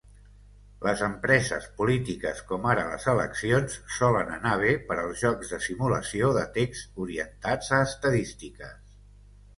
Les empreses polítiques com ara les eleccions solen anar bé per als jocs de simulació de text orientats a estadístiques.